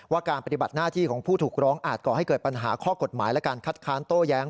การปฏิบัติหน้าที่ของผู้ถูกร้องอาจก่อให้เกิดปัญหาข้อกฎหมายและการคัดค้านโต้แย้ง